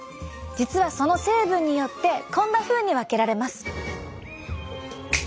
実はその成分によってこんなふうに分けられます。